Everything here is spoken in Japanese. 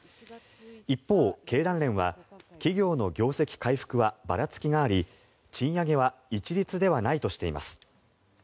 一方、経団連は企業の業績回復はばらつきがあり賃上げは一律ではないとしています。